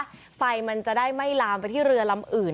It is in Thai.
ไฟมันจะได้ไม่ลามไปที่เรือลำอื่น